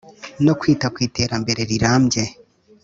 no kwita ku iterambere rirambye